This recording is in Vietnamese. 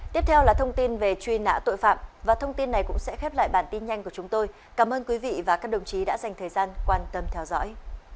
tiếp theo là thông tin về truy nã tội phạm và thông tin này cũng sẽ khép lại bản tin nhanh của chúng tôi cảm ơn quý vị và các đồng chí đã dành thời gian quan tâm theo dõi